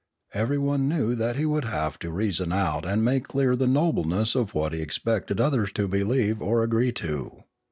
Everyone knew that he would have to reason out and make clear the nobleness of what he expected others to believe or agree to.